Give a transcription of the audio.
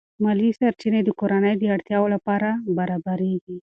مالی سرچینې د کورنۍ د اړتیاوو لپاره برابرېږي.